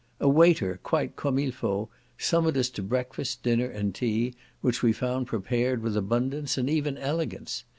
A waiter, quite comme il faut, summoned us to breakfast, dinner, and tea, which we found prepared with abundance, and even elegance.